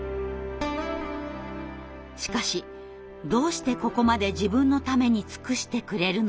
しかしどうしてここまで自分のために尽くしてくれるのか。